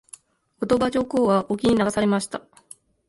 後鳥羽上皇は隠岐に流されました。